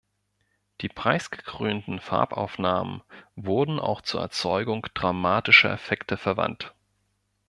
Die preisgekrönten Farbaufnahmen wurden auch zur Erzeugung dramatischer Effekte verwandt.